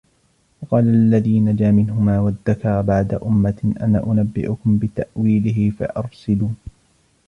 وَقَالَ الَّذِي نَجَا مِنْهُمَا وَادَّكَرَ بَعْدَ أُمَّةٍ أَنَا أُنَبِّئُكُمْ بِتَأْوِيلِهِ فَأَرْسِلُونِ